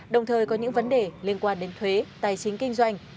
đồng thời có những vấn đề liên quan đến thuế tài chính kinh doanh